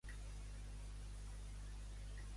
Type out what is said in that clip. Io va viatjar per molts llocs després?